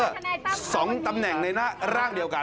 ก็ตอบได้คำเดียวนะครับ